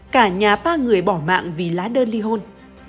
cả nhà ba người bỏ mạng vì lá đơn ly hôn